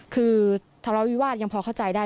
คือทะเลาวิวาสยังพอเข้าใจได้